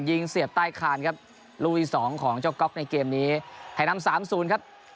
ยิงเสียบใต้คานครับรูที่๒ของเจ้าก๊อกในเกมนี้ไข่น้ำ๓๐ครับ